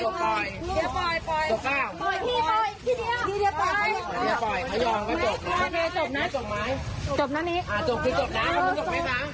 โอเคพอแล้วพอแล้วพอแล้วพอแล้วพอแล้วพอแล้วพอแล้วพอแล้ว